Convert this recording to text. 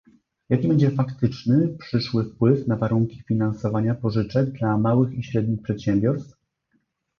Jaki będzie faktyczny, przyszły wpływ na warunki finansowania pożyczek dla małych i średnich przedsiębiorstw?